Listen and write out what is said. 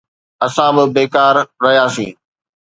اسان به بيڪار رهياسين.